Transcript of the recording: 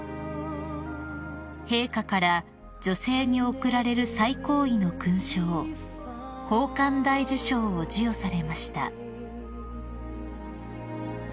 ［陛下から女性に贈られる最高位の勲章宝冠大綬章を授与されました］